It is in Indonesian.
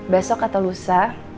besok atau lusa